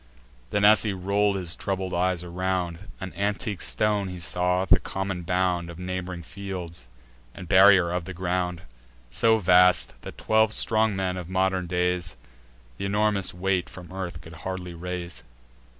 Then, as he roll'd his troubled eyes around, An antique stone he saw, the common bound Of neighb'ring fields, and barrier of the ground; So vast, that twelve strong men of modern days Th' enormous weight from earth could hardly raise.